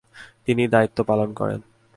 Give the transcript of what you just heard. তিনি দায়িত্ব পালন করেন।